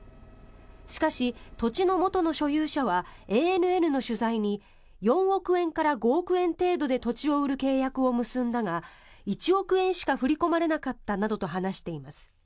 しかし、土地の元の所有者はＡＮＮの取材に４億円から５億円程度で土地を売る契約を結んだが１億円しか振り込まれなかったなどと話しています。